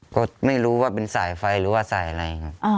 ก็ไม่รู้ว่าเป็นสายไฟหรือว่าสายอะไรครับ